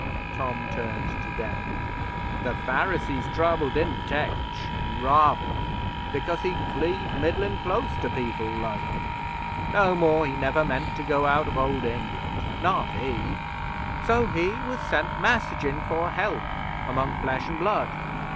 Tom turned to Dan. 'The Pharisees's trouble didn't tech Robin, because he'd cleaved middlin' close to people, like. No more he never meant to go out of Old England not he; so he was sent messagin' for help among Flesh an' Blood.